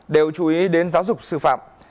đều chú ý đến giáo dục sư phạm